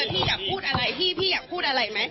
พี่พูดได้เลยพี่อยากพูดอะไร